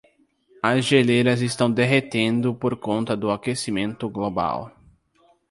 As geleiras estão derretendo por causa do aquecimento global.